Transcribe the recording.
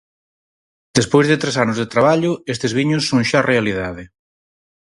Despois de tres anos de traballo, estes viños son xa realidade.